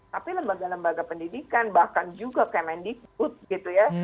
tapi lembaga lembaga pendidikan bahkan juga kemendikbud gitu ya